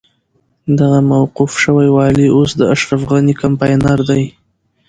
دغه موقوف شوی والي اوس د اشرف غني کمپاينر دی.